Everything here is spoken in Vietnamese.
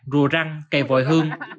rùa răng cây vội hương